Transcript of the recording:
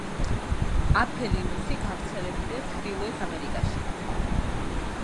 აფელინუსი გავრცელებულია ჩრდილოეთ ამერიკაში.